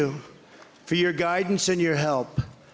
untuk perhatian dan bantuan kalian